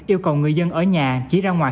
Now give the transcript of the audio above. yêu cầu người dân ở nhà chỉ ra ngoài